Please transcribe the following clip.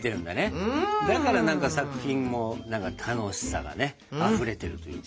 だから何か作品も楽しさがねあふれてるっていうか。